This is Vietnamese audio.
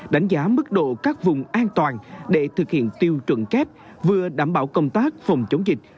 đánh giá mức độ các vùng an toàn để thực hiện tiêu chuẩn kép vừa đảm bảo công tác phòng chống dịch